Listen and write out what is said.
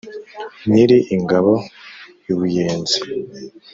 nyiri ingabo i buyenzi,